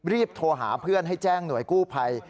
รีบโทรหาเพื่อนให้แจ้งหน่วยกู้ภัย